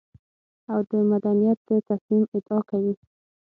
او د مدنيت د تصميم ادعا کوي.